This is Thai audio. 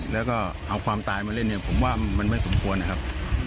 แล้วก็เอาความตายมาเล่นเนี่ยผมว่ามันไม่สมควรนะครับ